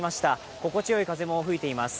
心地よい風も吹いています。